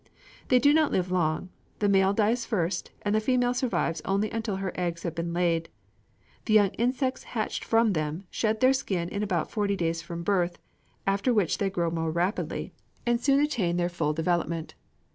They do not live long: the male dies first, and the female survives only until her eggs have been laid. The young insects hatched from them, shed their skin in about forty days from birth, after which they grow more rapidly, and soon attain their full development.